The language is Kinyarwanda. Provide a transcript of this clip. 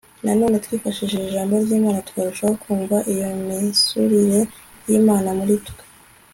nanone twifashishije ijambo ry' imana twarushaho kumva iyo misusire y'imana muri twe